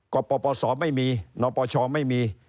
ปปศไม่มีนปชไม่มี